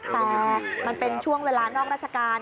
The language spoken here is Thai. แต่มันเป็นช่วงเวลานอกราชการ